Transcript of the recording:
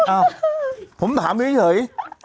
อ้าวผมถามเฉย